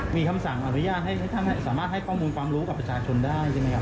มีคำสั่งอภิญาสามารถให้ข้อมูลความรู้กับประชาชนได้ใช่ไหม